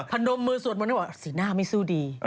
พนมมือสวดมนต์ให้บอกสีหน้าไม่สู้ดี